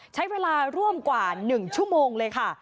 ใช้เวลาร่วมกว่า๑ชั่วโมงเลยค่ะ